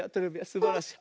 すばらしい。